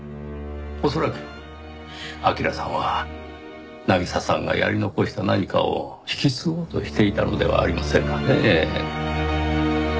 恐らく明良さんは渚さんがやり残した何かを引き継ごうとしていたのではありませんかねぇ。